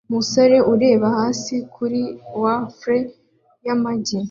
Umusore ureba hasi kuri wafle n'amagi